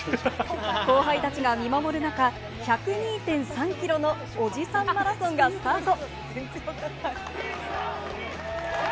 後輩たちが見守る中、１０２．３キロのおじさんマラソンがスタート。